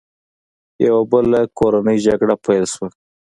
یوه بله کورنۍ جګړه پیل شوه.